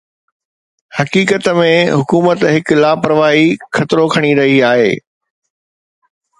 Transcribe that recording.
حقيقت ۾، حڪومت هڪ لاپرواهي خطرو کڻي رهي آهي